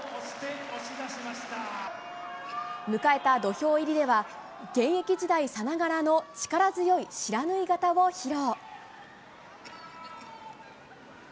迎えた土俵入りでは、現役時代さながらの力強い不知火型を披露。